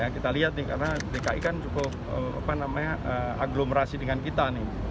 kita lihat nih karena dki kan cukup aglomerasi dengan kita nih